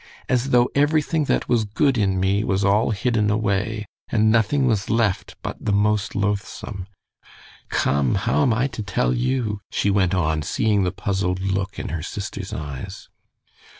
As though everything that was good in me was all hidden away, and nothing was left but the most loathsome. Come, how am I to tell you?" she went on, seeing the puzzled look in her sister's eyes.